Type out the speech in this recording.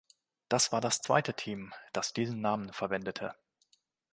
Das war das zweite Team, das diesen Namen verwendete.